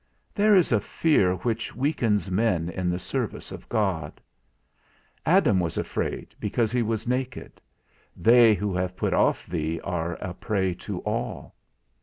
There is a fear which weakens men in the service of God. Adam was afraid, because he was naked. They who have put off thee are a prey to all.